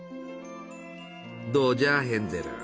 どうじゃヘンゼル？